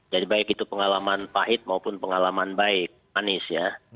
jadi baik itu pengalaman pahit maupun pengalaman baik manis ya